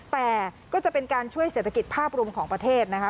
แต่ก็จะเป็นการช่วยเศรษฐกิจภาพรวมของประเทศนะคะ